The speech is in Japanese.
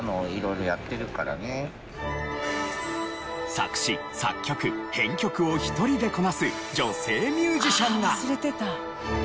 作詞作曲編曲を１人でこなす女性ミュージシャンが。